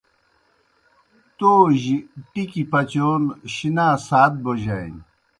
تو جیْ ٹِکیْ پچون شِنا سات بوجانیْ۔